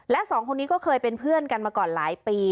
และสองคนนี้ก็เคยเป็นเพื่อนกันมาก่อนหลายปี